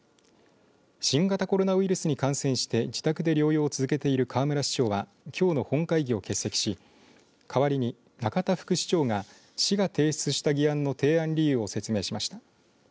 新型コロナウイルスに感染して自宅で療養を続けている河村市長はきょうの本会議を欠席し代わりに中田副市長が市が提出した議案の提案理由を説明しました。